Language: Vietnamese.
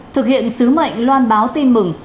thực hiện sứ mệnh loan báo tin mừng